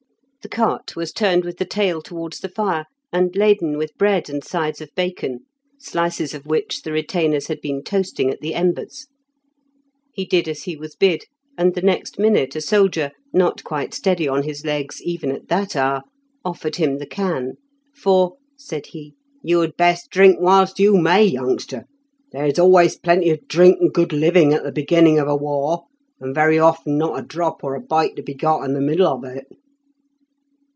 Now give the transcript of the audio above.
The cart was turned with the tail towards the fire, and laden with bread and sides of bacon, slices of which the retainers had been toasting at the embers. He did as he was bid, and the next minute a soldier, not quite steady on his legs even at that hour, offered him the can, "for," said he, "you had best drink whilst you may, youngster. There is always plenty of drink and good living at the beginning of a war, and very often not a drop or a bite to be got in the middle of it."